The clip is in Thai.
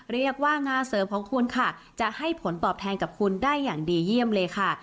เรียกว่างานเสริมของคุณค่ะจะให้ผลตอบแทนกับคุณได้อย่างดีเยี่ยมเลยค่ะ